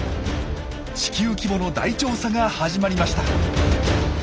地球規模の大調査が始まりました。